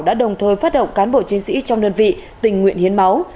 đã đồng thời phát động cán bộ chiến sĩ trong đơn vị tình nguyện hiến máu